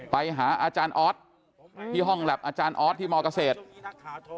ไปหาอาจารย์ออสที่ห้องแล็บอาจารย์ออสที่มเกษตร